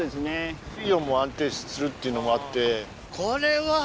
水温も安定するっていうのもあって。